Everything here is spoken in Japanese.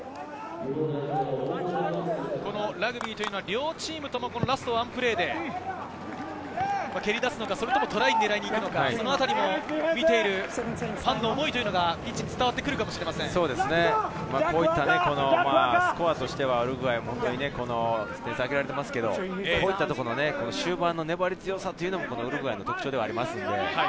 ラグビーというのは両チームともラストワンプレーで、蹴り出すのか、それともトライを狙いに行くのか、そのあたりを見ているファンの思いというのが伝わってくるかもしこういったスコアとしてはウルグアイ、本当に点差はつけられてますけれど、こういったところの終盤の粘り強さというのがウルグアイの特徴でもあります。